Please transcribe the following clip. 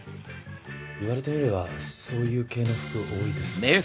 言われてみればそういう系の服多いですもんね。